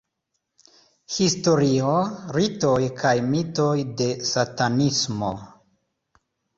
Historio, ritoj kaj mitoj de satanismo.